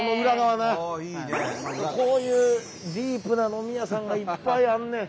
こういうディープな飲み屋さんがいっぱいあんねん。